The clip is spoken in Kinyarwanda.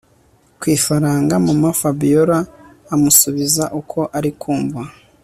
kwifaranga mama Fabiora amusubiza ko arikumva